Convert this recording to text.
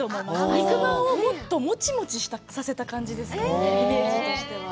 肉まんをもっともちもちさせた感じですかね、イメージとしては。